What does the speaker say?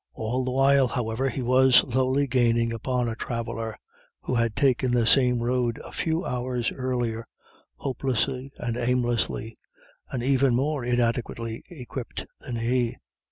All the while, however, he was slowly gaining upon a traveller, who had taken the same road a few hours earlier, hopelessly and aimlessly, and even more inadequately equipped than he.